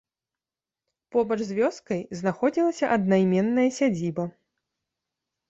Побач з вёскай знаходзілася аднайменная сядзіба.